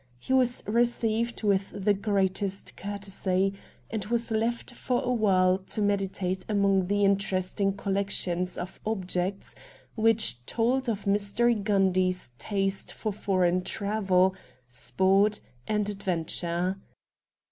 He was received with AN INTERVIEW WITH MR. RATT GUNDY 219 the greatest courtesy, and was left for a while to meditate among the interesting collection of objects which told of Mr. Gundy's taste for foreign travel, sport and adventure.